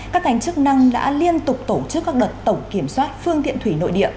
các ngành chức năng đã liên tục tổ chức các đợt tổng kiểm soát phương tiện thủy nội địa